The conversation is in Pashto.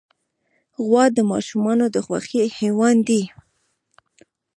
غوا د ماشومانو د خوښې حیوان دی.